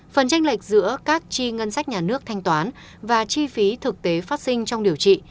phần tranh lệch giữa các chi ngân sách nhà nước thanh toán và chi phí thực tế phát sinh trong điều trị